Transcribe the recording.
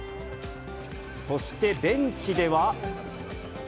そしてベンチでは。